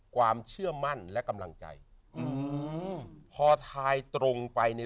ความเชื่อมั่นและกำลังใจอืมพอทายตรงไปเนี่ย